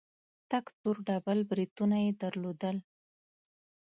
تک تور ډبل برېتونه يې درلودل.